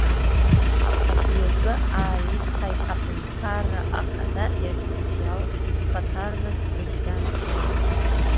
Абри атәы ааицҳаит Аҳәынҭқарра ахада иофициалтә хаҭарнак Кристиан Бжьаниа.